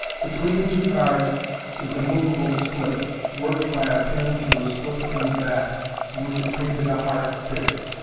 Between the two cards ii a moveable slip, worked by a pin through a slip in the back, on which is painted a heart pip.